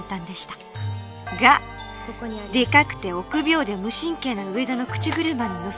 がでかくて臆病で無神経な上田の口車にのせられ